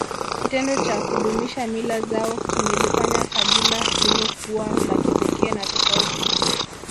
Kitendo cha kudumisha mila zao kimelifanya kabila hilo kuwa la kipekee na tofauti